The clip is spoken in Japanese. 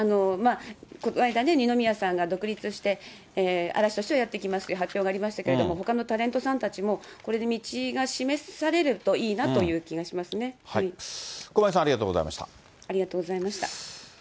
この間、二宮さんが独立して、嵐としてはやっていきますという発表がありましたけれども、ほかのタレントさんたちもこれで道が示されるといいなという気が駒井さん、ありがとうございありがとうございました。